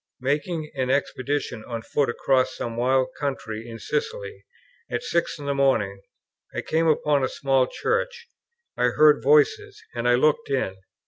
Making an expedition on foot across some wild country in Sicily, at six in the morning, I came upon a small church; I heard voices, and I looked in.